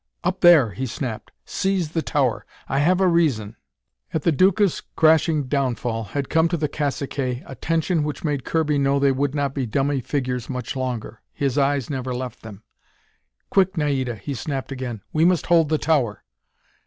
"Up there!" he snapped. "Seize the tower. I have a reason!" At the Duca's crashing downfall, had come to the caciques a tension which made Kirby know they would not be dummy figures much longer. His eyes never left them. "Quick, Naida!" he snapped again. "We must hold the tower!"